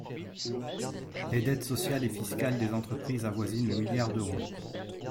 Les dettes sociales et fiscales des entreprises avoisinent le milliard d’euros.